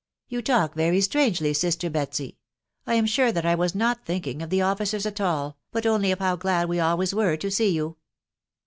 " You talk very strangely, sister Betsy .... I am sure I was not thinking of the officers at all, but only of how glad we always were to see you."